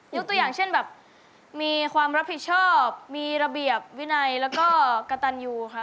ตัวอย่างเช่นแบบมีความรับผิดชอบมีระเบียบวินัยแล้วก็กระตันยูค่ะ